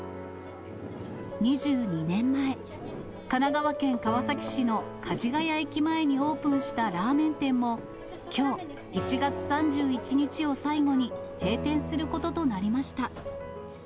２２年前、神奈川県川崎市の梶が谷駅前にオープンしたラーメン店も、きょう１月３１日を最後に閉店することとなりました。